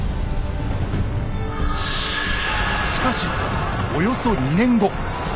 しかしおよそ２年後。